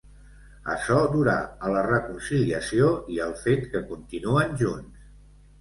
Açò durà a la reconciliació i al fet que continuen junts.